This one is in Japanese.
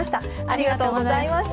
ありがとうございます。